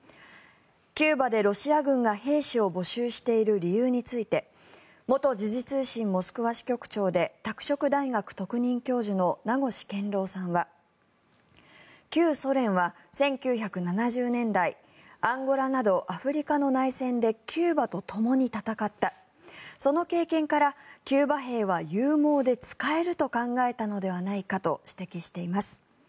キューバでロシア軍が兵士を募集している理由について元時事通信モスクワ支局長で拓殖大学特任教授の名越健郎さんは旧ソ連は１９７０年代アンゴラなどアフリカの内戦でキューバとともに戦ったその経験からキューバ兵は勇猛で使えると考えたのではないかと指摘しています。